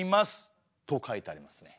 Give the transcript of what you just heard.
と書いてありますね。